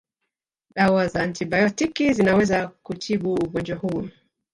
Dawa za antibiotiki zinaweza kutibu ugonjwa huu